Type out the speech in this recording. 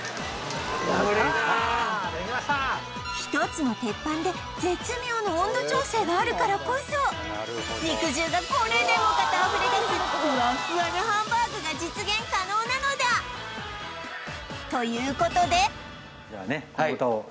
１つの鉄板で絶妙の温度調整があるからこそ肉汁がこれでもかとあふれだすフワフワのハンバーグが実現可能なのだということでじゃあね